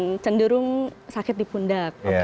dan cenderung sakit di pundak